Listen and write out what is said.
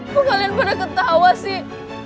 kok kalian pada ketawa sih